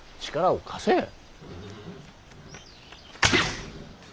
力を貸せ。